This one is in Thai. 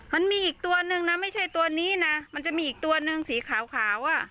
มันมีอีกตัวนึงนะไม่ใช่ตัวนี้นะมันจะมีอีกตัวนึงสีขาวอ่ะ